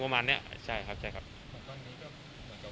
ประมาณเนี้ยใช่ครับใช่ครับตอนนี้ก็เหมือนจะว่าน้องก็ตัวเองออกมาอ่า